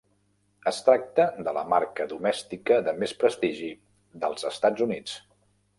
Es tracta de la marca domèstica de més prestigi dels Estats Units.